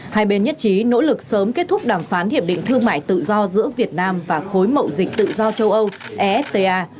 hai bên nhất trí nỗ lực sớm kết thúc đàm phán hiệp định thương mại tự do giữa việt nam và khối mậu dịch tự do châu âu efta